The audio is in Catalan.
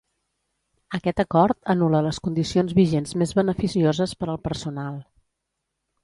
Aquest acord anul·la les condicions vigents més beneficioses per al personal.